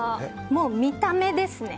もう見た目ですね。